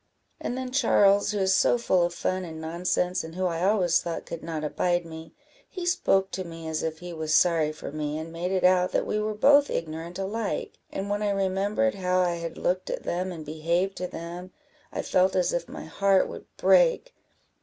And then Charles, who is so full of fun and nonsense, and who I always thought could not abide me, he spoke to me as if he was sorry for me, and made it out that we were both ignorant alike; and when I remembered how I had looked at them, and behaved to them, I felt as if my heart would break.